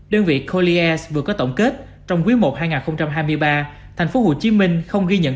đơn vị colliers vừa có tổng kết trong quý i hai nghìn hai mươi ba thành phố hồ chí minh không ghi nhận